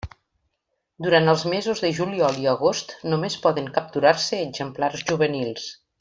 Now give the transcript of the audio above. Durant els mesos de juliol i agost només poden capturar-se exemplars juvenils.